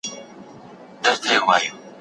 په دې وخت کي یو تن پر قبیلې واک چلوي.